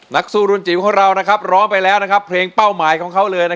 นักสู้รุญจีนของเรานะครับร้อยไปแล้วนะครับเพลงเป้าหมายผมเขาเลยนะ